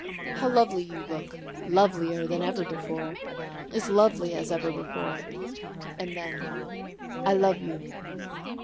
"How lovely you look! Lovelier than ever before as lovely as ever before." And then, "I love you."